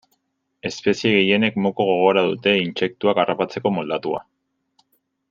Espezie gehienek moko gogora dute, intsektuak harrapatzeko moldatua.